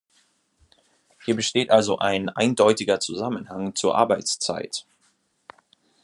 Hier besteht also ein eindeutiger Zusammenhang zur Arbeitszeit.